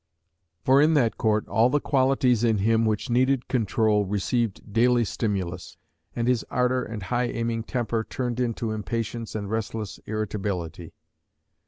For in that Court all the qualities in him which needed control received daily stimulus, and his ardour and high aiming temper turned into impatience and restless irritability.